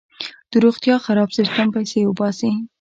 د روغتیا خراب سیستم پیسې وباسي.